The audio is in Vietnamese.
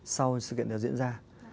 sau sự kiện đó diễn ra